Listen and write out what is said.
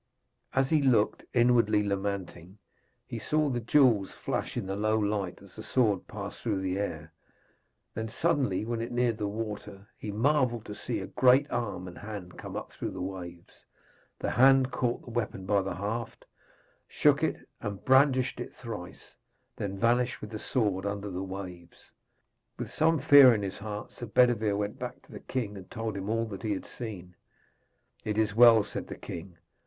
As he looked, inwardly lamenting, he saw the jewels flash in the low light as the sword passed through the air. Then suddenly, when it neared the water, he marvelled to see a great arm and hand come up through the waves. The hand caught the weapon by the haft, shook it and brandished it thrice, and then vanished with the sword under the waves. With some fear in his heart Sir Bedevere went back to the king and told him all that he had seen. 'It is well,' said the king.